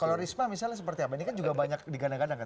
kalau risma misalnya seperti apa ini kan juga banyak digadang gadang kan